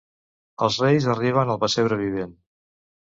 Els reis arriben al Pessebre Vivent.